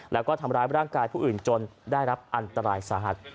แล้วก็ทำร้ายร่างกายผู้อื่นจนได้รับอันตรายสาหัส